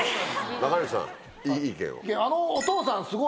中西さんいい意見を。